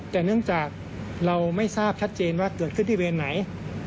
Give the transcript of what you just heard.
แต่เนื่องจากเราไม่ทราบชัดเจนว่าเกิดขึ้นที่เวรไหน